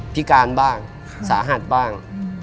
พิการบ้างสาหัสบ้าง